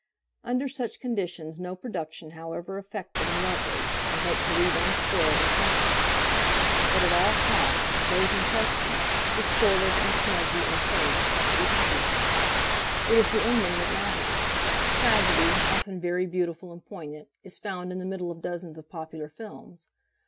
"Under such conditions no production, however, effective and lovely, can hope to leave unspoiled impressions. But at all costs those impressions, distorted and smudgy and faint must be happy ones. It is the ending that matters. Tragedy, often very beautiful and poignant, is found in the middle of dozens of popular films.